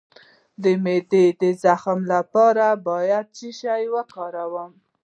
د معدې د زخم لپاره باید څه شی وکاروم؟